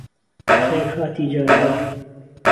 بهخێر هاتی جار و بار